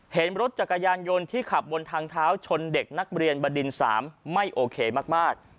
เห็นรถจักรยานยนต์ที่ขับบนทางเท้าชนเด็กนักเรียนบดิน๓ไม่โอเคมาก